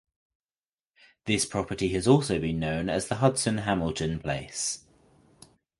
This property has also been known as the Hudson Hamilton Place.